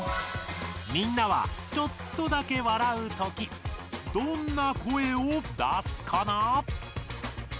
みんなはちょっとだけ笑うときどんな声を出すかな？